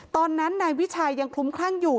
ตอนนั้นนายวิชัยยังคลุ้มคลั่งอยู่